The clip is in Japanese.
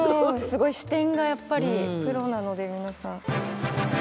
すごい視点がやっぱりプロなので皆さん。